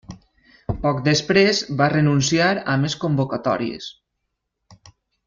Poc després va renunciar a més convocatòries.